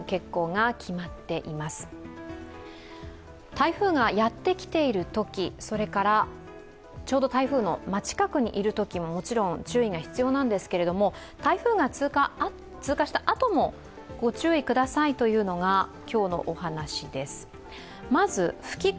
台風がやってきているとき、それからちょうど台風の近くにいるときももちろん注意が必要ですけれども、台風が経過したあともご注意くださいというのが今日のお話です。